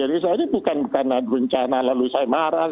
jadi saya ini bukan karena bencana lalu saya marah